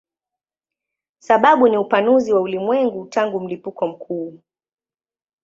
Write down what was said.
Sababu ni upanuzi wa ulimwengu tangu mlipuko mkuu.